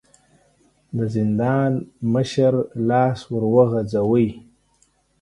د زندان مشر لاس ور وغځاوه.